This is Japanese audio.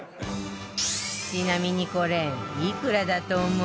ちなみにこれいくらだと思う？